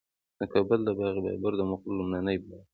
د کابل د باغ بابر د مغلو لومړنی باغ دی